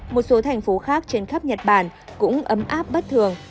một số thành phố khác trên khắp nhật bản cũng ấm áp bất thường